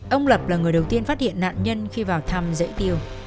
ông lập là người đầu tiên phát hiện nạn nhân khi vào thăm dễ tiêu